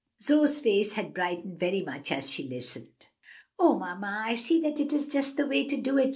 Zoe's face had brightened very much as she listened. "O mamma, I see that that is just the way to do it!"